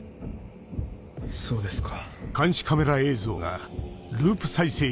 そうですか。